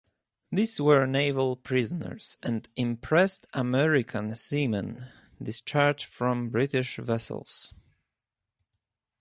These were naval prisoners, and impressed American seamen discharged from British vessels.